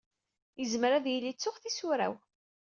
Yezmer ad yili ttuɣ tisura-w.